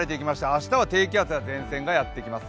明日は低気圧や前線がやってきます。